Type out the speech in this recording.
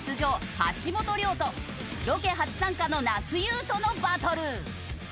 橋本涼とロケ初参加の那須雄登のバトル。